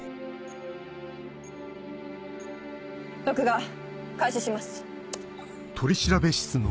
録画開始します。